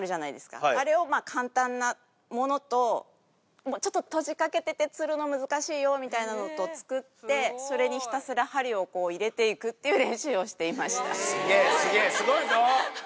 あれを簡単なものとちょっと閉じかけてて釣るの難しいよみたいなのとを作ってそれにひたすら針をこう入れていくっていう練習をしていました。